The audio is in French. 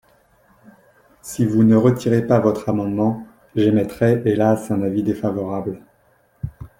Si vous ne retirez pas votre amendement, j’émettrai hélas un avis défavorable.